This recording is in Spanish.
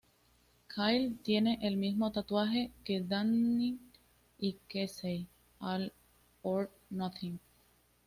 Kyle tiene el mismo tatuaje que Danny y Casey "All or Nothing".